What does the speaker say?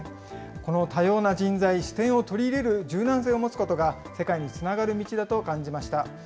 この多様な人材、取り入れる柔軟性を持つことが、世界につながる道だと感じました。